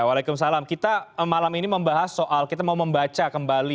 waalaikumsalam kita malam ini membahas soal kita mau membaca kembali